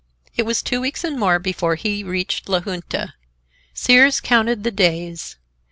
It was two weeks and more before he reached La Junta. Sears counted the days.